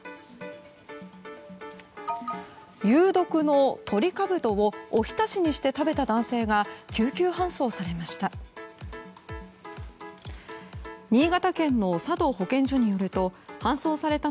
有毒のトリカブトをおひたしにして食べた男性が救急搬送されました。